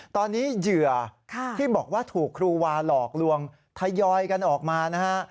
ตอนนี้เหยื่อที่บอกว่าถูกครูวาหลอกลวงทยอยกันออกมานะฮะ